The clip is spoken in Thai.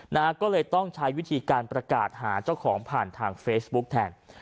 นะฮะก็เลยต้องใช้วิธีการประกาศหาเจ้าของผ่านทางเฟซบุ๊กแทน